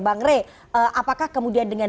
bang rey apakah kemudian dengan